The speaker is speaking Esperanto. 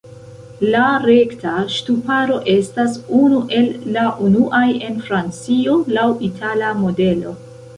La rekta ŝtuparo estas unu el la unuaj en Francio, laŭ itala modelo.